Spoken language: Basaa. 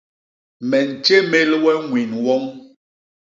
Me ntjémél we ñwin woñ.